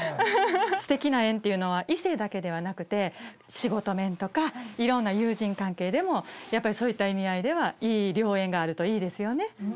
すてきな縁っていうのは異性だけではなくて仕事面とかいろんな友人関係でもそういった意味合いではいい良縁があるといいですよね